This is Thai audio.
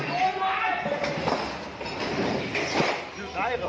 อุ้ยมะบาดทางนี้ก่อน